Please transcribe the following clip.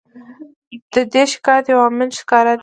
د دې شکایت یو عامل ښکاره دی.